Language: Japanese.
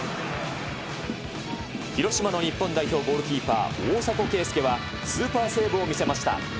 広島の日本代表ゴールキーパー、大迫敬介は、スーパーセーブを見せました。